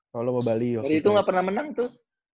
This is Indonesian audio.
dari itu gak pernah menang tuh